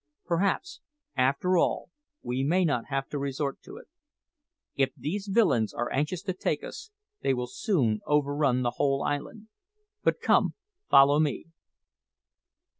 "Perhaps, after all, we may not have to resort to it. If these villains are anxious to take us, they will soon overrun the whole island. But come, follow me."